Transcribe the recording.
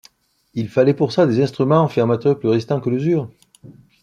Il fallait pour ça des instruments faits en matériaux plus résistants à l’usure.